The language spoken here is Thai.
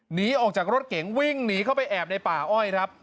หนีออกจากรถเก๋งวิ่งหนีเข้าไปแอบในป่าอ้อยครับ